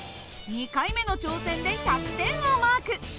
２回目の挑戦で１００点をマーク。